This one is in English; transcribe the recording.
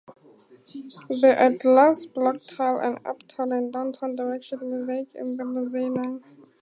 There are glass block tile and "uptown" and "downtown" directional mosaics in the mezzanine.